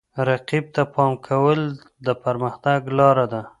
رقیب ته پام کول د پرمختګ لاره ده.